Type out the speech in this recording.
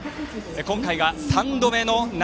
今回が３度目の夏。